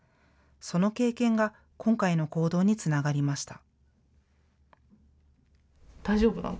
その経験が今回の行動につながりました。